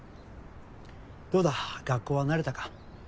どうだ学校は慣れたか？